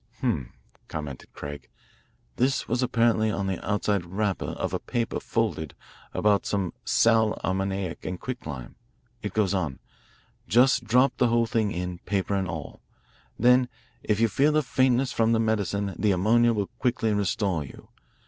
"Hum," commented Craig, "this was apparently on the outside wrapper of a paper folded about some sal ammoniac and quicklime. It goes on: "'Just drop the whole thing in, paper and all. Then if you feel a faintness from the medicine the ammonia will quickly restore you.